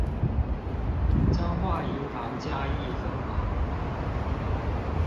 彰化銀行嘉義分行